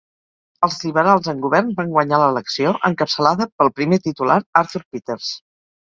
Els liberals en govern van guanyar l'elecció, encapçalada pel primer titular Arthur Peters.